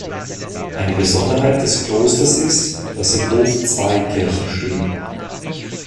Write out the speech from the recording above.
Eine Besonderheit des Klosters ist, dass im Hof zwei Kirchen stehen.